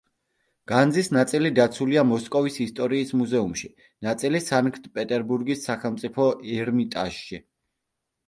განძის ნაწილი დაცულია მოსკოვის ისტორიის მუზეუმში, ნაწილი, სანქტ-პეტერბურგის სახელმწიფო ერმიტაჟში.